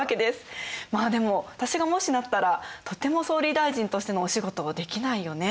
まあでも私がもしなったらとても総理大臣としてのお仕事はできないよね。